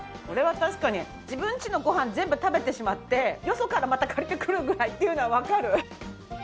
これは確かに自分家のご飯全部食べてしまってよそからまた借りてくるぐらいっていうのはわかる。